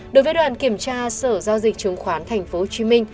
đối với đoàn kiểm tra sở giao dịch chứng khoán tp hcm